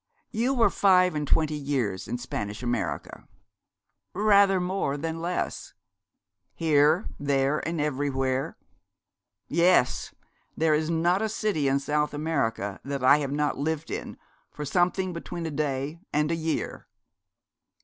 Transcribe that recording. You were five and twenty years in Spanish America?' 'Rather more than less.' 'Here, there, and everywhere?' 'Yes; there is not a city in South America that I have not lived in for something between a day and a year.'